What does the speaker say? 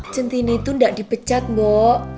centini itu tidak dipecat mbok